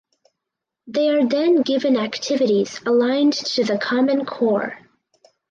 They are then given activities aligned to the Common Core.